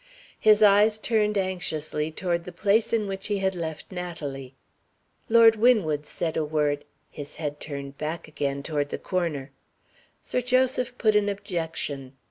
His eyes turned anxiously toward the place in which he had left Natalie. Lord Winwood said a word. His head turned back again toward the corner. Sir Joseph put an objection.